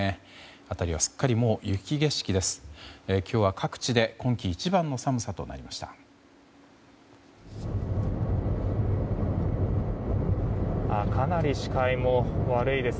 辺りはすっかり雪景色です。